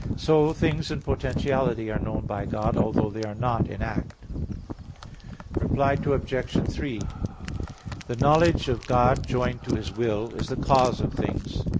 So, things in potentiality are known by God, although they are not in act. Reply Obj. 3: The knowledge of God, joined to His will is the cause of things.